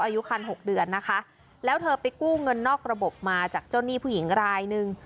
อายุคันหกเดือนนะคะแล้วเธอไปกู้เงินนอกระบบมาจากเจ้าหนี้ผู้หญิงรายหนึ่ง